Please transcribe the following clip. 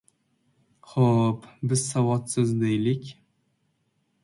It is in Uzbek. — Xo‘p, biz savodsiz, deylik!